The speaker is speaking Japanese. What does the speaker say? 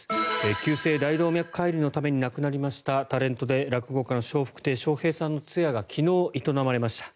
急性大動脈解離のために亡くなりましたタレントで落語家の笑福亭笑瓶さんの通夜が昨日、営まれました。